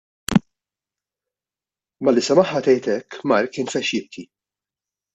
Malli semagħha tgħid hekk, Mark infexx jibki.